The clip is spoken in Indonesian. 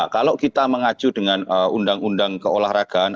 kalau kita mengacu dengan undang undang keolahragaan